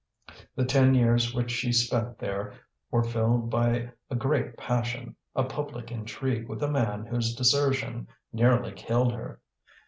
The ten years which she spent there were filled by a great passion, a public intrigue with a man whose desertion nearly killed her.